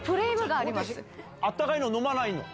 あったかいの飲まないの？